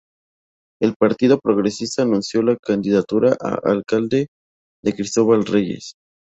El Partido Progresista anunció la candidatura a alcalde de Cristóbal Reyes.